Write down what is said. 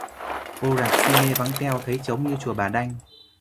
Vô rạp ciné vắng teo thấy trống như chùa bà Đanh